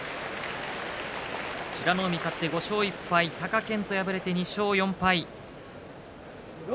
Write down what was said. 美ノ海、勝って５勝１敗貴景勝、敗れて２勝４敗。